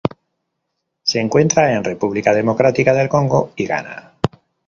Se encuentra en República Democrática del Congo y Ghana.